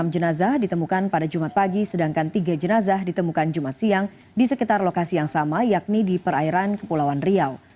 enam jenazah ditemukan pada jumat pagi sedangkan tiga jenazah ditemukan jumat siang di sekitar lokasi yang sama yakni di perairan kepulauan riau